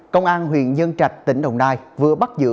công an huyện nhân trạch tỉnh đồng nai vừa bắt giữ